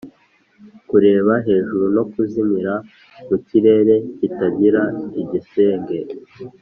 kureba hejuru no kuzimira mu kirere kitagira igisenge,